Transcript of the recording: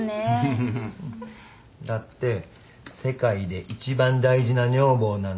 だって世界で一番大事な女房なんですもん。